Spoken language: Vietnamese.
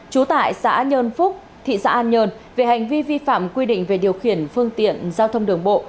trú tại xã nhơn phúc thị xã an nhơn về hành vi vi phạm quy định về điều khiển phương tiện giao thông đường bộ